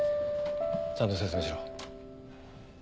ちゃんと説明しろ。